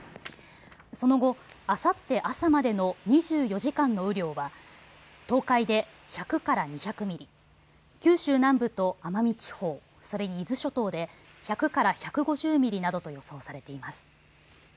その後、あさって朝までの２４時間の雨量は東海で１００から２００ミリ、九州南部と奄美地方、それに伊豆諸島で１００から１５０ミリなどと予想されています。